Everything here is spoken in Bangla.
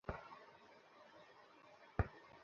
বের কর ওর কিডনি।